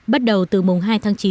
bắt đầu từ mùng hai tháng chín